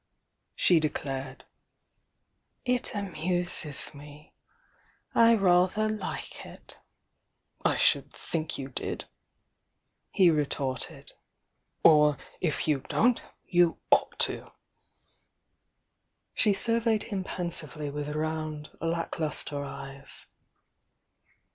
she declared. "It amuses me! I rather like it!" "I should think you did!" he retorted. "Or, if you don't, you ought to!" She surveyed him pensively with round, lack lustre eyes.